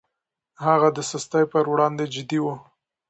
هغه د سستي پر وړاندې جدي و.